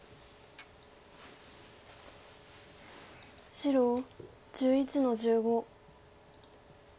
白１１の十五。